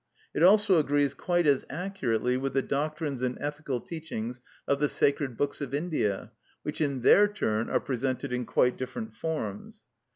It also agrees quite as accurately with the doctrines and ethical teachings of the sacred books of India, which in their turn are presented in quite different forms.